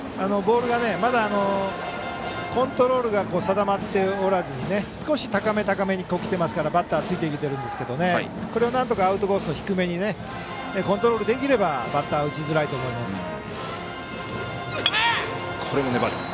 ボールがまだコントロールが定まっておらずに少し高め高めにきてますからバッターついてきてるんですけどこれをなんとかアウトコースの低めにコントロールできればバッター、打ちづらいと思います。